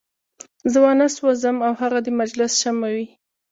زه وانه سوځم او هغه د مجلس شمع وي.